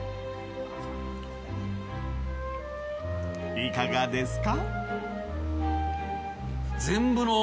いかがですか？